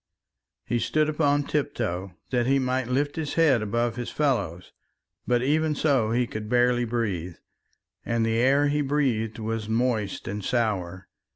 He stood upon tiptoe that he might lift his head above his fellows, but even so he could barely breathe, and the air he breathed was moist and sour.